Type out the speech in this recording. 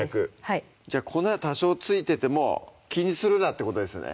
はいじゃあ粉多少付いてても気にするなってことですね